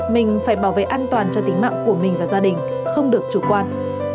mình phải bảo vệ an toàn cho tính mạng của mình và gia đình không được chủ quan